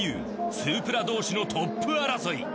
スープラ同士のトップ争い